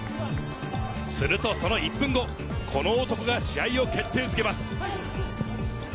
するとその１分後、この男が試合を決定づけます。